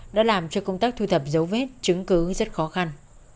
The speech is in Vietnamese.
đã làm cho công tác thu thập dấu vết chứng cứ rất khó khăn